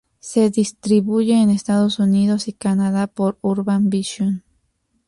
Se distribuye en Estados Unidos y Canadá por Urban Vision.